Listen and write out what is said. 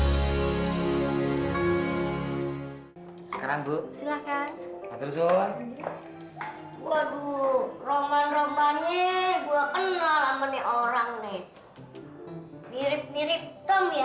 hai sekarang bu silakan terus waduh roman roman ye gua kenal ameni orang nih mirip mirip tom ya